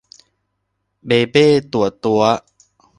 เบ่เบ๊ตั่วตั๋ว